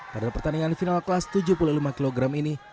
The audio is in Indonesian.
pada pertandingan final kelas tujuh puluh lima kg ini